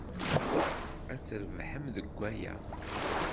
Ad trebḥem deg waya.